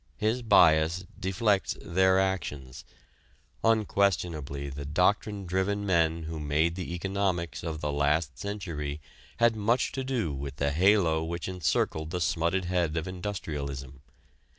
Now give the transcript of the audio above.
His bias deflects their actions. Unquestionably the doctrine driven men who made the economics of the last century had much to do with the halo which encircled the smutted head of industrialism.